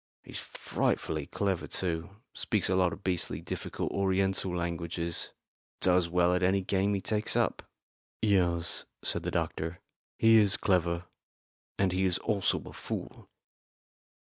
He's frightfully clever too speaks a lot of beastly difficult Oriental languages does well at any game he takes up." "Yes," said the doctor, "he is clever; and he is also a fool."